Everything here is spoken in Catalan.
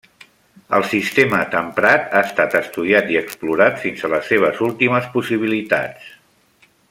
El sistema temprat ha estat estudiat i explorat fins a les seves últimes possibilitats.